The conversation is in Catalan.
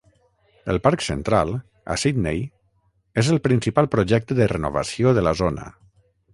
El Parc Central, a Sydney, és el principal projecte de renovació de la zona.